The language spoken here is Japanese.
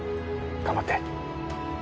頑張って。